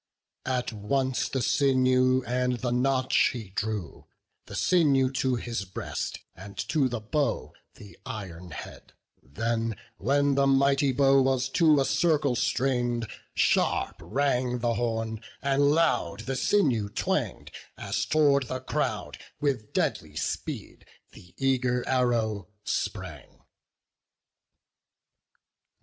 At once the sinew and the notch he drew; The sinew to his breast, and to the bow The iron head; then, when the mighty bow Was to a circle strain'd, sharp rang the horn, And loud the sinew twang'd, as tow'rd the crowd With deadly speed the eager arrow sprang.